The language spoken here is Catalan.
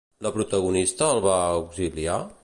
La protagonista el va auxiliar?